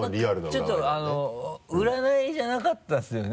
でもちょっと占いじゃなかったですよね？